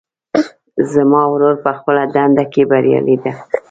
زما ورور په خپله دنده کې بریالۍ ده